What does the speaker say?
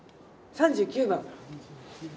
３９番。